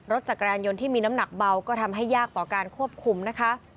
รถจักรยานยนต์ที่มีน้ำหนักเบาก็ทำให้ยากต่อการควบคุมนะคะ